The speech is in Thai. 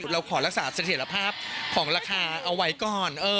เราขอรักษาเสถียรภาพของราคาเอาไว้ก่อน